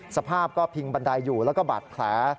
สภาพก็พิงบันไดอยู่แล้วก็บาดแผล